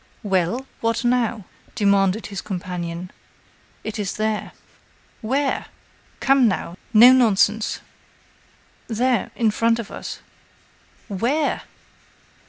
"Well! what now?" demanded his companion. "It is there." "Where? Come, now, no nonsense!" "There in front of us." "Where?"